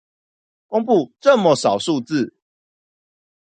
公佈這麼少數字